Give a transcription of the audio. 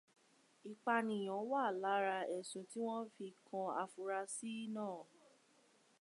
Ìpànìyàn wà lára ẹ̀sùn tí wọn fi kan afurasí náà.